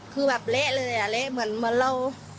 คือแบบเละเลยอ่ะเละเหมือนเรา